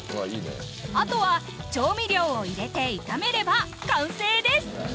あとは調味料を入れて炒めれば完成です！